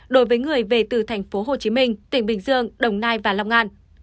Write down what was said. đối với người về từ tp hcm tỉnh bình dương đồng nai và long an